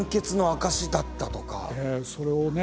それをね